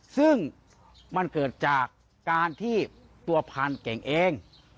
ซึ่งมันเกิดจากการที่ตัวพรานเก่งเอง